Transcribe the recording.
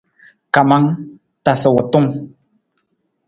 Kamang, tasa wutung.